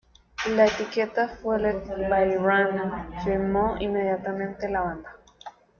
La etiqueta Fueled by Ramen firmó inmediatamente la banda.